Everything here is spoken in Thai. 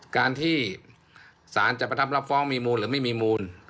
การที่ศาลจะประทับรับฟ้องมีมูลหรือไม่มีมูล